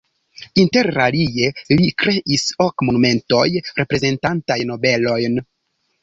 Interalie li kreis ok monumentoj reprezentantaj nobelojn.